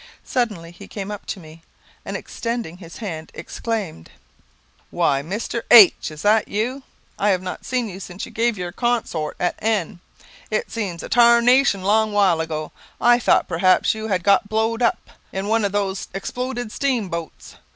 Suddenly he came up to me, and extending his hand, exclaimed, "Why, Mister H , is this you? I have not seen you since you gave your consort at N ; it seems a tarnation long while ago. I thought, perhaps, you had got blowed up in one of those exploded steam boats.